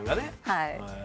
はい。